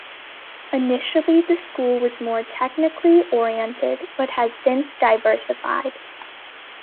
Initially the school was more technically oriented but has since diversified.